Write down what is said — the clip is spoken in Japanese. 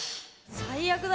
最悪だ！